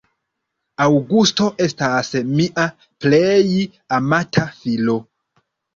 Aŭgusto estas mia plej amata filo.